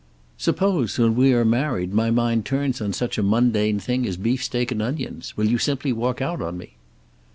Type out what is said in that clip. Suppose, when we are married, my mind turns on such a mundane thing as beefsteak and onions? Will you simply walk out on me?"